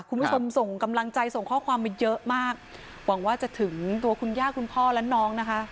คุณผู้ชมส่งกำลังใจส่งข้อความมาเยอะมากหวังว่าจะถึงตัวคุณย่าคุณพ่อและน้องนะคะ